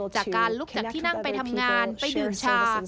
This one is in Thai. จากการลุกจากที่นั่งไปทำงานไปดื่มชา